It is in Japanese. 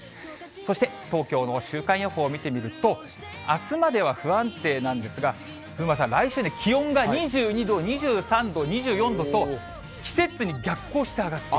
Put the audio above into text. そして東京の週間予報見てみると、あすまでは不安定なんですが、風磨さん、風磨さん、来週気温が２２度、２３度、２４度と、季節に逆行して上がっていく。